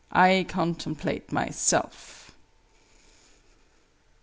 I contemplate Myself!"